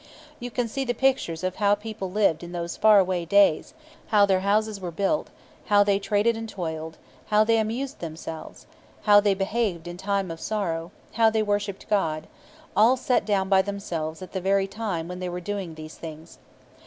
You can see the pictures of how people lived in those far away days, how their houses were built, how they traded and toiled, how they amused themselves, how they behaved in time of sorrow, how they worshipped God all set down by themselves at the very time when they were doing these things.